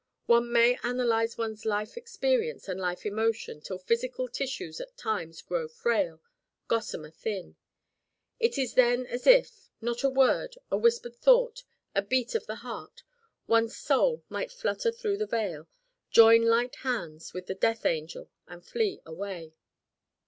One may analyze one's life experience and life emotion till physical tissues at times grow frail, gossamer thin. It is then as if at a word, a whispered thought, a beat of the heart one's Soul might flutter through the Veil, join light hands with the death angel and flee away.